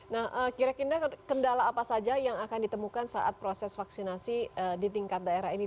nah kira kira kendala apa saja yang akan ditemukan saat proses vaksinasi di tingkat daerah ini